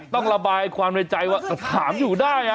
ต้องระบายความในใจว่าถามอยู่ได้